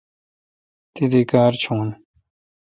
تی دی کار چیون۔